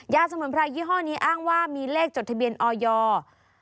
สมุนไพรยี่ห้อนี้อ้างว่ามีเลขจดทะเบียนออยอร์